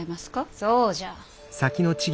そうじゃ。